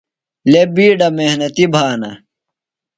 لے بِیڈہ محنتیۡ بھانہ۔